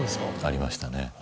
ありましたね。